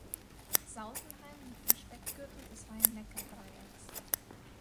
Sausenheim liegt im „Speckgürtel“ des Rhein-Neckar-Dreiecks.